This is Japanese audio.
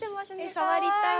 触りたい。